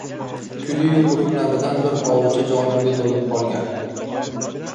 Kuli-yu qurumlaridan bir hovuchi jonimga to’lib qolgan.